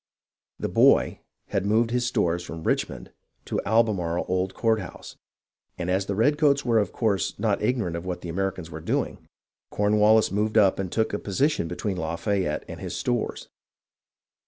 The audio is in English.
"The boy" had moved his stores from Richmond to Albemarle Old Courthouse, and as the redcoats were of course not ignorant of what the Americans were doing, Cornwallis moved up and took a position between La fayette and his stores.